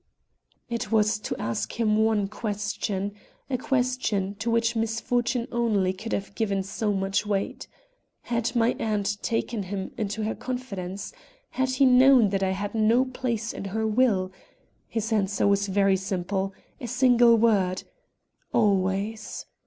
"It was to ask him one question, a question to which misfortune only could have given so much weight. Had my aunt taken him into her confidence? Had he known that I had no place in her will? His answer was very simple; a single word, 'always.'